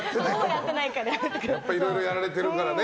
いろいろやられているからね。